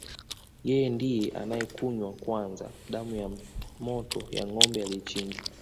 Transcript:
Yeye ndiye anayekunywa kwanza damu ya moto ya ngombe aliyechinjwa